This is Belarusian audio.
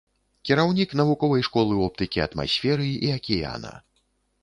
Кіраўнік навуковай школы оптыкі атмасферы і акіяна.